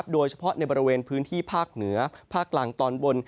โดยเฉพาะในบริเวณพื้นที่ภาคเหนือภาคกลางตอนบน